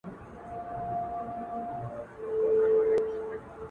اوس مي د كلي ماسومان ځوروي’